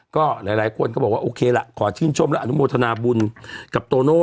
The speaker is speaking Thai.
ก็หลายคนก็บอกว่าโอเคล่ะขอชื่นชมและอนุโมทนาบุญกับโตโน่